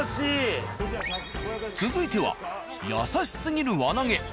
続いては優しすぎる輪投げ。